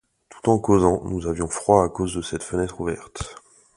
Tout en causant, nous avions froid à cause de cette fenêtre ouverte.